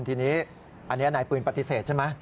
ทีนี้อันนี้นายปืนปฏิเสธใช่ไหม